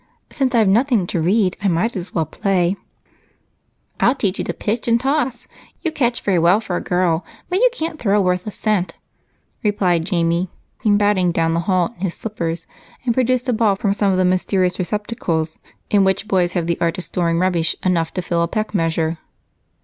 "Since I've nothing to read, I may as well play." "I'll teach you to pitch and toss. You catch very well for a girl, but you can't throw worth a cent," replied Jamie, gamboling down the hall in his slippers and producing a ball from some of the mysterious receptacles in which boys have the art of storing rubbish enough to fill a peck measure.